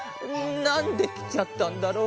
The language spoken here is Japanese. なんできちゃったんだろう。